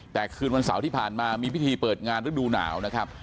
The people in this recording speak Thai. แต่คืนวันเสาร์ที่ผ่านมามีพิธีเปิดงานฤดูหนาวนะครับ